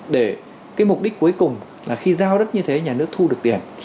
để cái mục đích cuối cùng là khi giao đất như thế nhà nước thu được tiền